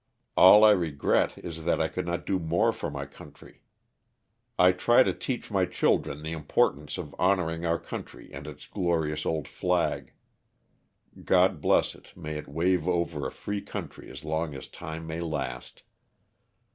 All I regret is that I could not do more for my coun try. I try to teach my children the importance of honoring our country and its glorious old flag. God bless it, may it wave over a free country as long as time may last.